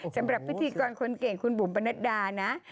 สำหรับพิธีกรคนเก่งคุณบุ๋มปนัดดานะ